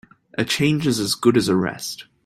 A change is as good as a rest.